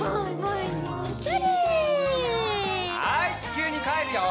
はいちきゅうにかえるよ。